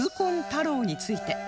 太郎について